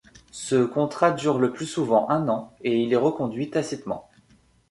Ce contrat dure le plus souvent un an et il est reconduit tacitement.